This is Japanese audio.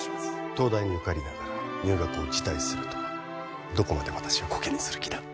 東大に受かりながら入学を辞退するとはどこまで私をコケにする気だ？